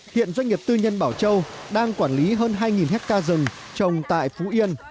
hiện doanh nghiệp tư nhân bảo châu đang quản lý hơn hai hectare rừng trồng tại phú yên